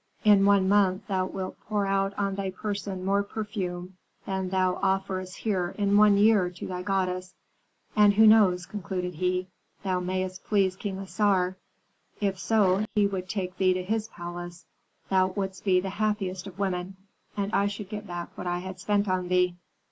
In one month thou wilt pour out on thy person more perfume than thou offerest here in one year to thy goddess. And who knows," concluded he, "thou mayst please King Assar; if so, he would take thee to his palace. Thou wouldst be the happiest of women, and I should get back what I had spent on thee."